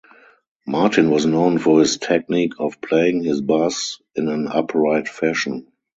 Martin was known for his technique of playing his bass in an upright fashion.